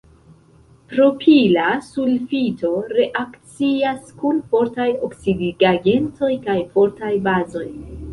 Propila sulfito reakcias kun fortaj oksidigagentoj kaj fortaj bazoj.